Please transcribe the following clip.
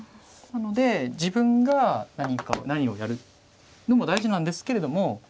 なので自分が何をやるのも大事なんですけれども。